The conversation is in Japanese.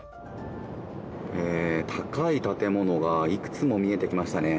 高い建物がいくつも見えてきましたね。